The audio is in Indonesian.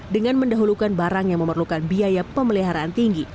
dengan mendahulukan barang yang memerlukan biaya pemeliharaan tinggi